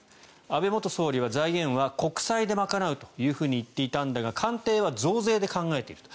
安倍元総理は財源は国債で賄うというふうに言っていたんですが官邸は増税で考えていると。